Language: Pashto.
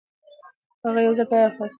هغه یو ځل بیا افغانستان متحد کړ.